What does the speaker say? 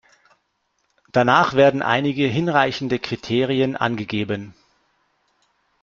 Danach werden einige hinreichende Kriterien angegeben.